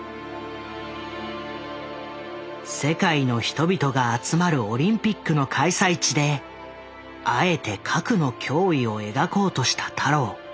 世界の人々が集まるオリンピックの開催地であえて核の脅威を描こうとした太郎。